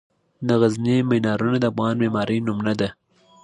د غزني مینارونه د افغان د معمارۍ نمونه دي.